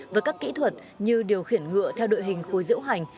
với các kỹ thuật như điều khiển ngựa theo đội hình khối diễu hành